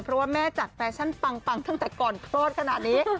เพราะว่าแม่จัดแฟชั่นปังถึงก่อนโโฆษณ์ขนาดนี้